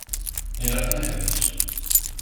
Ilaq ad neḥbes.